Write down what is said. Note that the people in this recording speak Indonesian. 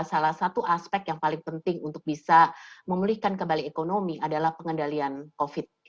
salah satu aspek yang paling penting untuk bisa memulihkan kembali ekonomi adalah pengendalian covid